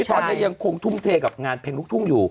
ตอนนี้ยังคงทุ่มเทกับงานเพลงลูกทุ่งอยู่